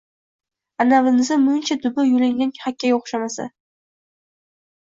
Аnavinisi muncha dumi yulingan hakkaga oʼxshamasa?